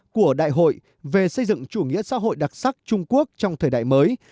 của đại hội về xây dựng chủ nghĩa xã hội đặc sắc trung quốc trong thời đại mới